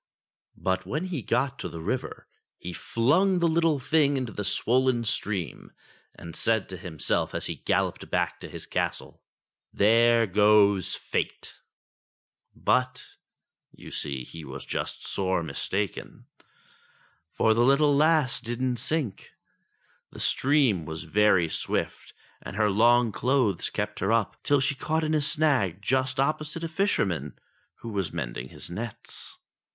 But when he got to the river he flung the little thing into the swollen stream and said to himself as he galloped back to his castle : "There goes Fate !" But, you see, he was just sore mistaken. For the little lass didn't sink. The stream was very swift, and her long clothes kept her up till she caught in a snag just opposite a fisherman, who was mending his nets.